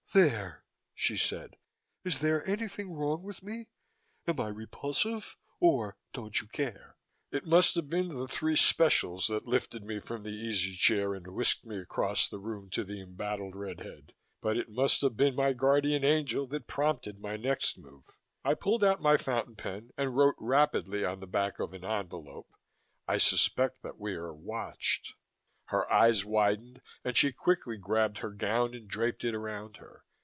"There!" she said. "Is there anything wrong with me? Am I repulsive? Or don't you care?" It must have been the three specials that lifted me from the easy chair and whisked me across the room to the embattled red head, but it must have been my guardian angel that prompted my next move. I pulled out my fountain pen and wrote rapidly on the back of an envelope: "I suspect that we are watched." Her eyes widened and she quickly grabbed her gown and draped it around her.